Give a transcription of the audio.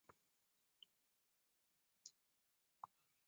Wendazerwa ni daktrari ndoudima kuva, ukaenda ukaw'usa mwana mkiw'a.